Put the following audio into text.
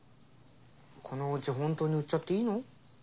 このお家ほんとに売っちゃっていいの？